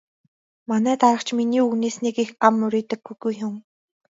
Манай дарга ч миний үгнээс нэг их ам мурийдаггүй хүн.